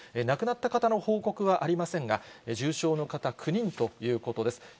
亡くなった方の報告はありませんが、重症の方、９人ということです。